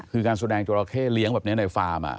คือการแสดงจราเข้เลี้ยงแบบนี้ในฟาร์ม